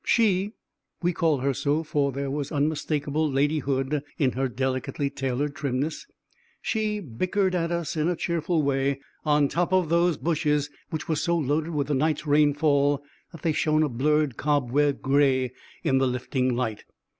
She we call her so, for there was unmistakable ladyhood in her delicately tailored trimness she bickered at us in a cheerful way, on top of those bushes which were so loaded with the night's rainfall that they shone a blurred cobweb gray in the lifting light.